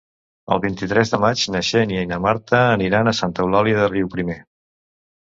El vint-i-tres de maig na Xènia i na Marta aniran a Santa Eulàlia de Riuprimer.